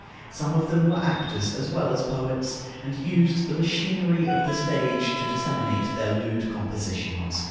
Some of them were actors as well as poets, and used the machinery of the stage to disseminate their lewd compositions.